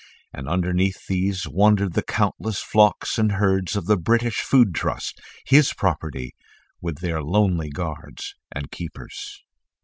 And underneath these wandered the countless flocks and herds of the British Food Trust, his property, with their lonely guards and keepers.